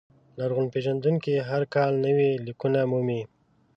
لرغون پېژندونکي هر کال نوي لیکونه مومي.